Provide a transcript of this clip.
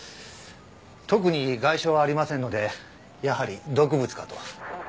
特に外傷はありませんのでやはり毒物かと。